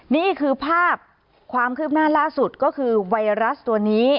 นี่คือภาพความคืบหน้าล่าสุดก็คือไวรัสตัวนี้